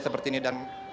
seperti ini dan